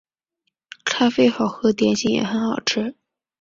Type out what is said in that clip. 咖啡好喝，点心也很好吃